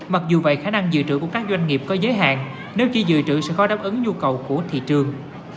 mặc dù vậy khả năng dự trữ của các doanh nghiệp có giới hạn nếu chỉ dự trữ sẽ khó đáp ứng nhu cầu của thị trường